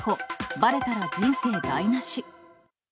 ばれたら人生台なし。